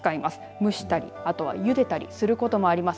蒸したりあとは、ゆでたりすることもあります。